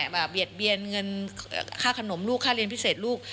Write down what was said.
เบียดเบียนเงินค่าขนมลูกค่าเรียนพิเศษลูก